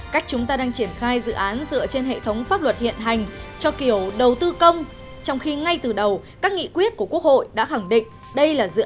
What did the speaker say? cách chúng ta đang triển khai dự án dựa trên hệ thống pháp luật hiện hành cho kiểu đầu tư công trong khi ngay từ đầu các nghị quyết của quốc hội đã khẳng định đây là dự án